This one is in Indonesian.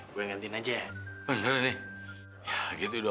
bunyi apaan tuh